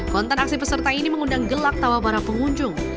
konten aksi peserta ini mengundang gelak tawa para pengunjung